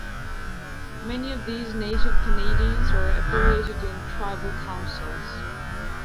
Many of these Native Canadians are affiliated in tribal councils.